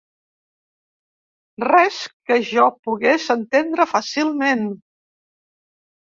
Res que jo pogués entendre fàcilment!